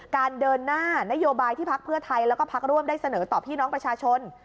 การเดินหน้านโยบายที่พักเพื่อไทยแล้วก็พักร่วมได้เสนอต่อพี่น้องประชาชน